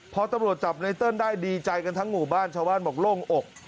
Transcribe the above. พอตำรวจจับไนเติ้ลได้ดีใจกันทั้งหมู่บ้านชาวบ้านบอกโล่งอก